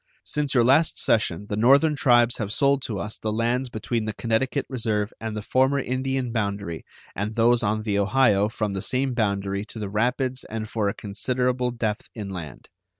Since your last session the Northern tribes have sold to us the lands between the Connecticut Reserve and the former Indian boundary and those on the Ohio from the same boundary to the rapids and for a considerable depth inland.